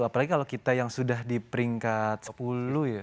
apalagi kalau kita yang sudah di peringkat sepuluh ya